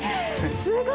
すごい。